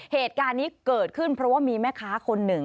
เหตุการณ์นี้เกิดขึ้นเพราะว่ามีแม่ค้าคนหนึ่ง